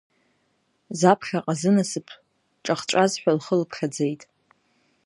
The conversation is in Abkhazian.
Заԥхьаҟа зынасыԥ ҿахҵәаз ҳәа лхы лыԥхьаӡеит.